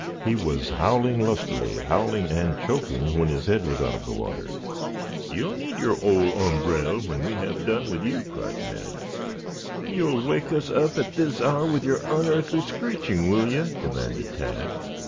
He was howling lustily, howling and choking, when his head was out of water. "You'll need your 'old ombrell' when we have done with you," cried Ned. "You will wake us up at this hour with your unearthly screeching, will you?" demanded Tad.